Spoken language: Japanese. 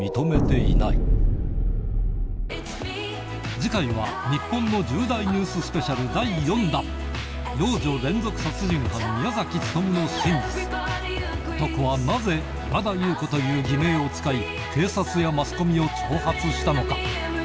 今回『仰天ニュース』の次回は第４弾幼女連続殺人犯宮勤の真実男はなぜ今田勇子という偽名を使い警察やマスコミを挑発したのか？